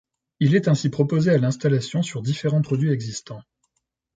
Il est ainsi proposé à l'installation sur différents produits existants.